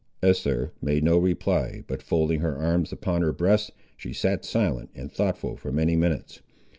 Esther made no reply, but folding her arms upon her breast, she sat silent and thoughtful for many minutes.